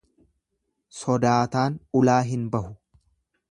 Sodaataan ulaa hin bahu.